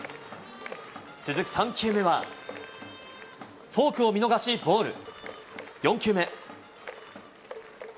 続く３球目は、フォークを見逃しボール。